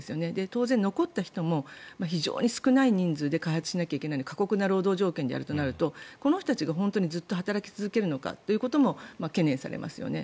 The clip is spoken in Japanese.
当然、残った人も非常に少ない人数で開発しないといけないので過酷な労働条件でやるとなるとこの人たちが本当にずっと働き続けるのかということも懸念されますよね。